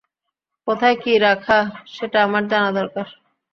কোথায় কি রাখা সেটা আমার জানা দরকার।